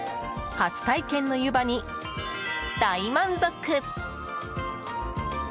初体験の湯葉に大満足。